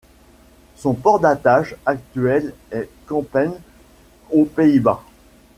Son port d'attache actuel est Kampen aux Pays-Bas.